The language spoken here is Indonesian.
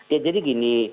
ya jadi gini